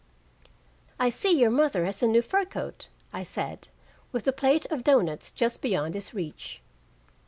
"I see your mother has a new fur coat," I said, with the plate of doughnuts just beyond his reach.